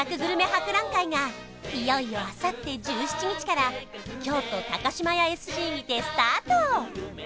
博覧会がいよいよあさって１７日から京都島屋Ｓ．Ｃ．にてスタート